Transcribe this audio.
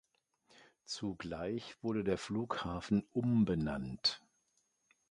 Zugleich wurde der Flughafen umbenannt.